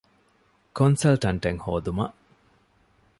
ކޮންސަލްޓަންޓެއް ހޯދުމަށް